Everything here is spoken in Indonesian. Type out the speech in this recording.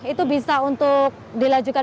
itu bisa untuk dilajukan